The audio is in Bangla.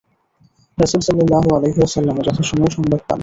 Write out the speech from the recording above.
রাসূল সাল্লাল্লাহু আলাইহি ওয়াসাল্লামও যথাসময়ে সংবাদ পান।